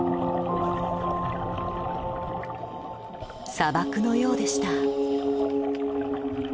［砂漠のようでした］